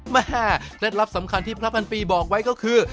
เคล็ดลับสำคัญที่พระพันปีบอกไว้ก็คือ